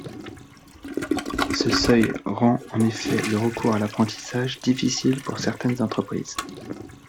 Ce seuil rend en effet le recours à l’apprentissage difficile pour certaines entreprises.